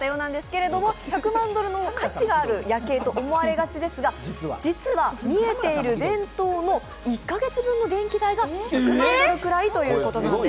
１００万ドルの価値がある夜景と思われがちですが実は見えている電灯の１カ月分の電気代が１００万ドルぐらいということなんです。